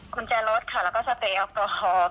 กุญแจรถค่ะแล้วก็สเปยแอลกอฮอล์